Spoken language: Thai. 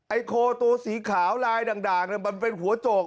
โคตัวสีขาวลายด่างมันเป็นหัวโจก